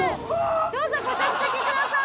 どうぞご着席ください。